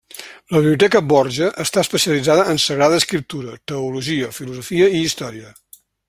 La Biblioteca Borja està especialitzada en sagrada escriptura, teologia, filosofia i història.